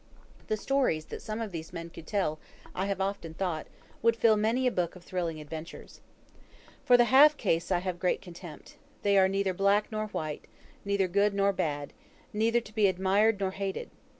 The stories that some of these men could tell, I have often thought, would fill many a book of thrilling adventures. For the half castes I have great contempt. They are neither black nor white, neither good nor bad, neither to be admired nor hated.